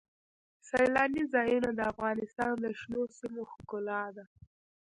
سیلانی ځایونه د افغانستان د شنو سیمو ښکلا ده.